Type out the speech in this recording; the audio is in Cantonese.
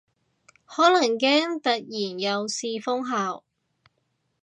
可能驚突然又試封城